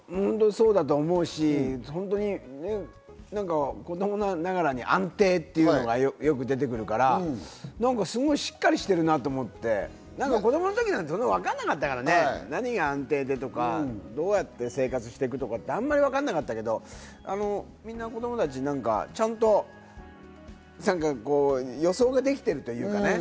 そうだと思うし、子供ながらに安定っていうのがよく出てくるから、すごいしっかりしてるなと思って、子供の時なんてわからなかったからね、何が安定でとか、どうやって生活していくとか、あまりわからなかったけど子供たちみんなちゃんと予想ができているというかね。